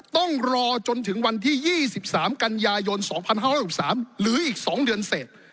ต้องรอจนถึงวันที่๒๓กันยายน๒๕๖๓หรืออีก๒เดือนเสร็จ